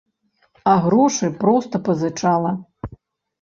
А грошы проста пазычала.